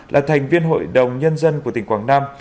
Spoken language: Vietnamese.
là thành viên hội đồng nhân dân của tỉnh quảng nam